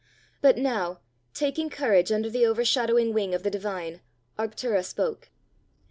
But now, taking courage under the overshadowing wing of the divine, Arctura spoke.